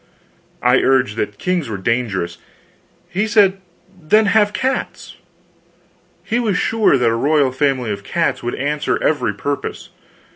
I urged that kings were dangerous. He said, then have cats. He was sure that a royal family of cats would answer every purpose.